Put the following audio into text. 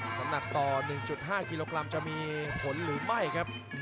น้ำหนักต่อ๑๕กิโลกรัมจะมีผลหรือไม่ครับ